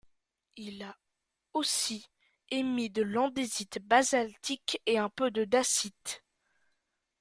Il a aussi émis de l'andésite basaltique et un peu de dacite.